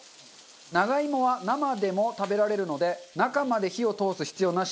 長芋は生でも食べられるので中まで火を通す必要なし。